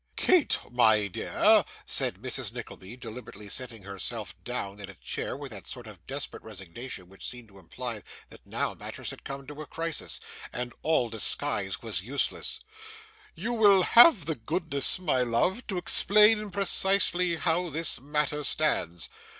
'Kate, my dear,' said Mrs. Nickleby, deliberately sitting herself down in a chair with that sort of desperate resignation which seemed to imply that now matters had come to a crisis, and all disguise was useless, 'you will have the goodness, my love, to explain precisely how this matter stands.